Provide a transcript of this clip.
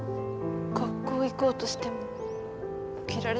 学校行こうとしても起きられなくなった。